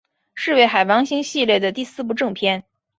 是为海王星系列的第四部正篇。